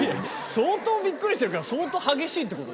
相当びっくりしてるから相当激しいってこと？